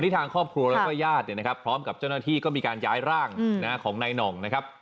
ทางครอบครัวแล้วก็ญาติเนี่ยนะครับพร้อมกับเจ้าหน้าที่ก็มีการย้ายร่างของนายหน่องนะครับ